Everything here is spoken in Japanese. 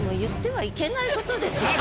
はい。